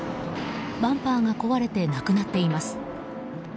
バンパーが壊れてなくなっています。